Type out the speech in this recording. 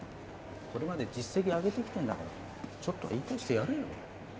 これまで実績あげてきてんだからちょっとは言い返してやれよ。